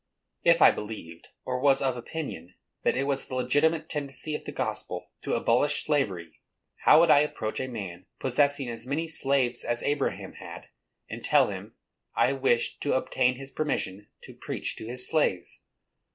If I believed, or was of opinion, that it was the legitimate tendency of the gospel to abolish slavery, how would I approach a man, possessing as many slaves as Abraham had, and tell him I wished to obtain his permission to preach to his slaves?